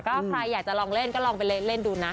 ก็ใครอยากจะลองเล่นก็ลองไปเล่นดูนะ